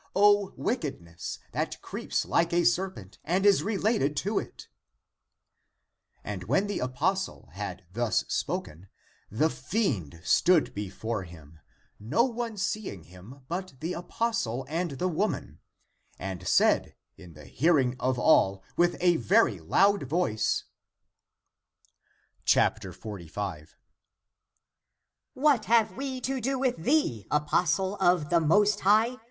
O wickedness that creeps like a ser pent and is related to it !" And when the apostle had thus spoken, the fiend stood before him, no one seeing him but the apostle and the woman, and said in the hearing of all with a very loud voice : 45. " What have we to do with thee, apostle of the Alost High?